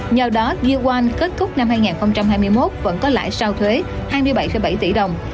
nhờ đó gieoan kết thúc năm hai nghìn hai mươi một vẫn có lãi sau thuế hai mươi bảy bảy tỷ đồng